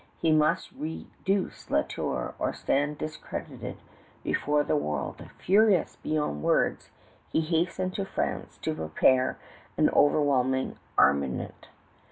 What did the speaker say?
He must reduce La Tour or stand discredited before the world. Furious beyond words, he hastened to France to prepare an overwhelming armament.